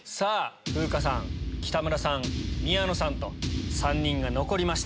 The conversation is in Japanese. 風花さん北村さん宮野さん３人が残りました。